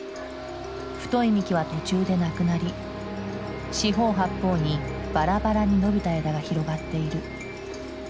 太い幹は途中でなくなり四方八方にバラバラに伸びた枝が広がっている。